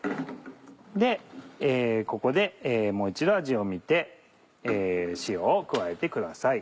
ここでもう一度味を見て塩を加えてください。